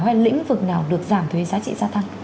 hay lĩnh vực nào được giảm thuế giá trị gia tăng